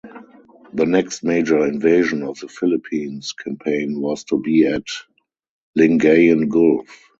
The next major invasion of the Philippines campaign was to be at Lingayen Gulf.